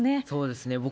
そうですね。